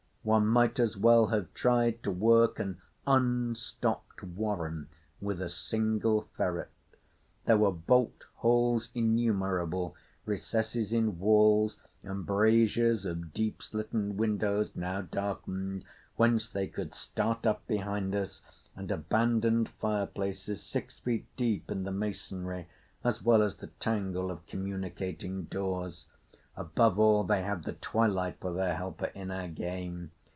One might as well have tried to work an unstopped warren with a single ferret. There were bolt holes innumerable—recesses in walls, embrasures of deep slitten windows now darkened, whence they could start up behind us; and abandoned fireplaces, six feet deep in the masonry, as well as the tangle of communicating doors. Above all, they had the twilight for their helper in our game.